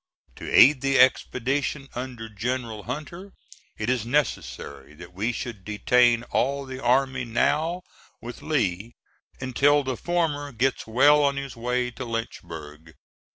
To aid the expedition under General Hunter it is necessary that we should detain all the army now with Lee until the former gets well on his way to Lynchburg.